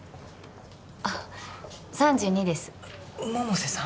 ああ３２です百瀬さん？